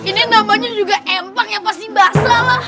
ini namanya juga empang yang pasti basah